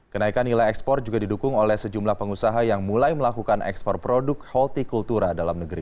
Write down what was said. kenaikan nilai ekspor juga didukung oleh sejumlah pengusaha yang mulai melakukan ekspor produk holti kultura dalam negeri